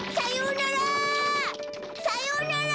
さようなら！